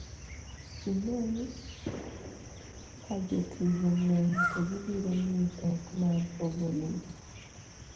ing'e ni kajotugo ng'eny to gibiro miyi pek mar pogo nigi